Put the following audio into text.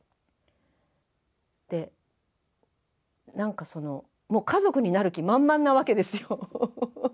でなんかそのもう家族になる気満々なわけですよ。